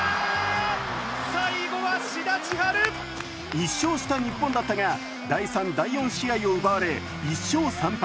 １勝した日本だったが第３、第４試合を奪われ１勝３敗。